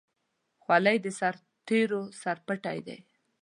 خولۍ د سرتېرو سرپټۍ ده.